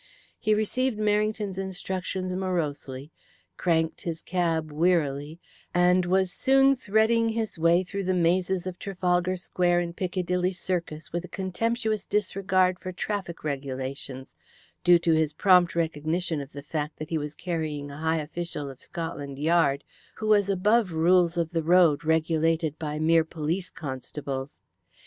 He received Merrington's instructions morosely, cranked his cab wearily, and was soon threading his way through the mazes of Trafalgar Square and Piccadilly Circus with a contemptuous disregard for traffic regulations, due to his prompt recognition of the fact that he was carrying a high official of Scotland Yard who was above rules of the road regulated by mere police constables.